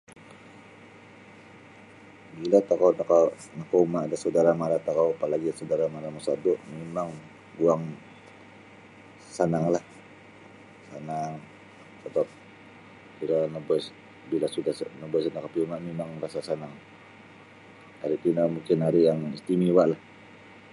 Bila tokou noko' nakauma' da saudara' mara tokou apa lagi' saudara' mara mosodu' mimang guang sananglah sanang sabap bila nabuwai bila' sudah nabuwai isa' nakapiyuma' no mimang rasa' sanang ari tino mungkin ari' yang istimewalah.